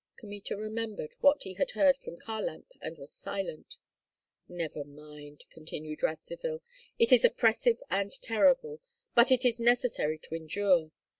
Kmita remembered what he had heard from Kharlamp and was silent. "Never mind!" continued Radzivill, "it is oppressive and terrible, but it is necessary to endure.